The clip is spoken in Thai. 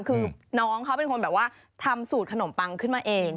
คือน้องเขาเป็นคนแบบว่าทำสูตรขนมปังขึ้นมาเอง